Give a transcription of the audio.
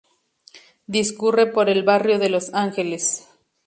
Discurre por el barrio de Los Ángeles.